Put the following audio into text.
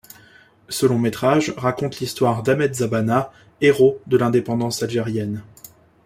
Ce long-métrage, raconte l'histoire d'Ahmed Zabana, héros de l'indépendance algérienne.